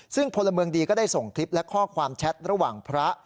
ซึ่งพลเมืองดีก็ได้ส่งคลิปและข้อความแชทระหว่างพระ